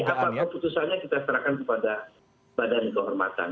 nanti apa keputusannya kita serahkan kepada badan kehormatan